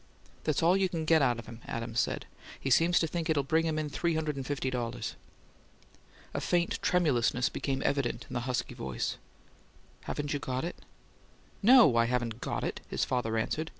"That's all you can get out of him," Adams said. "He seems to think it'll bring him in three hundred and fifty dollars!" A faint tremulousness became evident in the husky voice. "Haven't you got it?" "NO, I haven't got it!" his father answered.